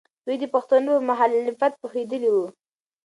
دوی د پښتنو په مخالفت پوهېدلې وو.